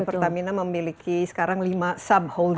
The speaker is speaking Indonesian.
pertamina memiliki sekarang lima subholder